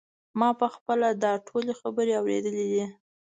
ما په خپله دا ټولې خبرې اورېدلې دي.